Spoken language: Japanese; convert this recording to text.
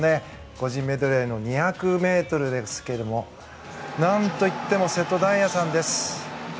個人メドレーの２００ｍですが何といっても瀬戸大也さんです。